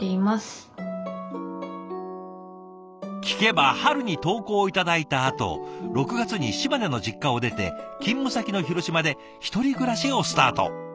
聞けば春に投稿を頂いたあと６月に島根の実家を出て勤務先の広島で一人暮らしをスタート。